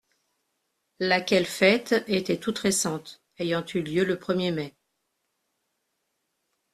Laquelle fête était toute récente, ayant eu lieu le premier mai.